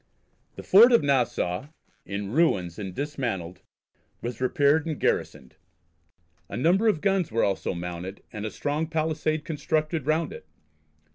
The fort of Nassau, in ruins and dismantled, was repaired and garrisoned. A number of guns were also mounted, and a strong pallisade constructed round it.